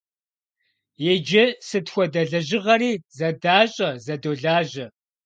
Иджы сыт хуэдэ лэжьыгъэри зэдащӀэ, зэдолажьэ.